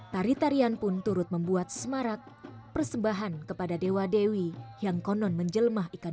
tari tarian pun turut membuat semarak persembahan kepada dewa dewi yang konon menjelmah ikan